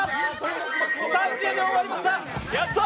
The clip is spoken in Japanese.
３０秒終わりました！